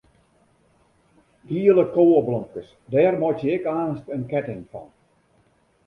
Giele koweblomkes, dêr meitsje ik aanst in ketting fan.